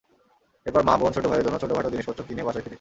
এরপর মা, বোন, ছোট ভাইয়ের জন্য ছোটখাটো জিনিসপত্র কিনে বাসায় ফিরি।